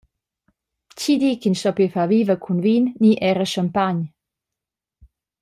Tgi di ch’ins stoppi far viva cun vin ni era schampagn?